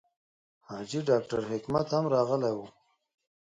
حاجي ډاکټر حکمت هم راغلی و.